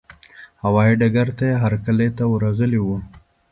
هوايي ډګر ته یې هرکلي ته ورغلي وو.